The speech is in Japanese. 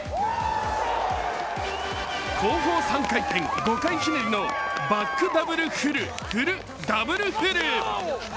後方３回転５回ひねりのバックダブルフル・フル・ダブルフル。